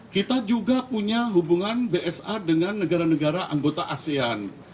kita juga punya hubungan bsa dengan negara negara anggota asean